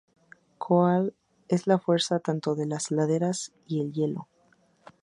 Coal es una fuerza tanto en las laderas y el hielo.